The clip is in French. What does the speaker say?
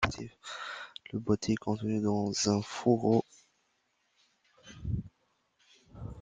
Le boitier est contenu dans un fourreau.